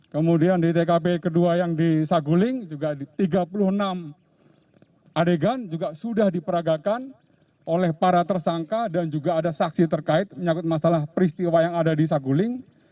kemudian di tkp kedua yang di saguling juga tiga puluh enam adegan juga sudah diperagakan oleh para tersangka dan juga ada saksi terkait menyangkut masalah peristiwa yang ada di saguling